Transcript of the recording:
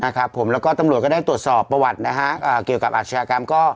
นะครับผมแล้วก็ตำรวจก็ได้ตรวจสอบประวัตินะฮะเกี่ยวกับอาชญากรรมก็